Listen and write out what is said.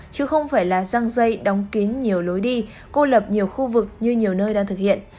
chứ không phải là răng dây đóng kín nhiều lối đi cô lập nhiều khu vực như nhiều nơi đang thực hiện